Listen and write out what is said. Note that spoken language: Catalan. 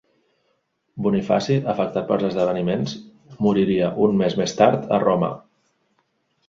Bonifaci, afectat pels esdeveniments, moriria un mes més tard a Roma.